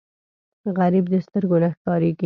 غریب د سترګو نه ښکارېږي